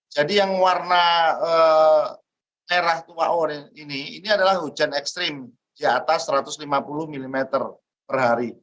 jadi yang warna merah tua ini adalah hujan ekstrim di atas satu ratus lima puluh mm per hari